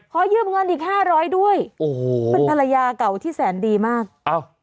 ขอยืมเงินอีก๕๐๐ด้วยเป็นภรรยาเก่าที่แสนดีมากโอ้โห